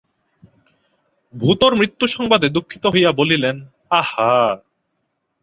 ভুতোর মৃত্যুসংবাদে দুঃখিত হইয়া বলিলেন, আহা!